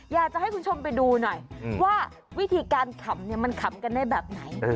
อยากจะให้คุณผู้ชมไปดูหน่อยว่าวิธีการขำเนี่ยมันขำกันได้แบบไหน